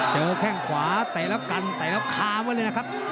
แข้งขวาเตะแล้วกันเตะแล้วคาไว้เลยนะครับ